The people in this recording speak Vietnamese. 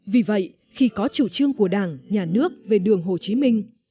vì vậy khi có chủ trương của đảng nhà nước về đường hồ chí minh